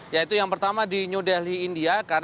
yaitu yang pertama di new delhi india